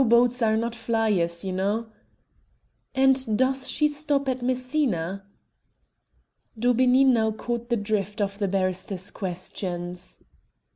boats are not flyers, you know." "And does she stop at Messina?" Daubeney now caught the drift of the barrister's questions.